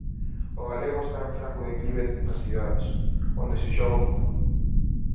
O galego está en franco declive nas cidades, onde se xoga o futuro.